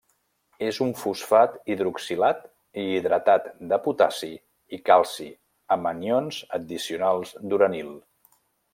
És un fosfat hidroxilat i hidratat de potassi i calci amb anions addicionals d'uranil.